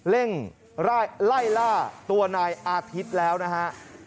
เร่งไล่ล่าตัวนายอาทิตย์แล้วนะฮะ